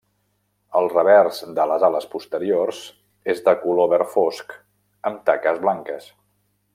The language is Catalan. El revers de les ales posteriors és de color verd fosc amb taques blanques.